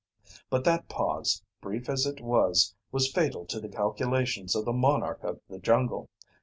But that pause, brief as it was, was fatal to the calculations of the monarch of the jungle.